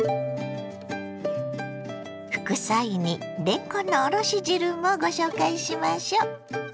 副菜にれんこんのおろし汁もご紹介しましょ。